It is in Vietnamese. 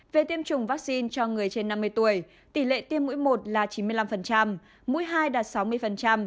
về tiêm chủng vaccine cho người trên năm mươi tuổi tỷ lệ tiêm mũi một là chín mươi năm mũi hai đạt sáu mươi